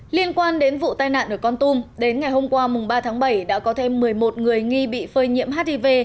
liên quan đến vụ tai nạn ở con tum đến ngày hôm qua ba tháng bảy đã có thêm một mươi một người nghi bị phơi nhiễm hiv